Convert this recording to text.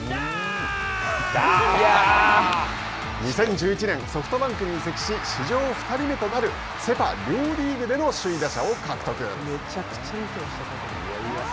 ２０１１年ソフトバンクに移籍し、史上２人目となるセ・パ両リーグでの首位打者を獲得。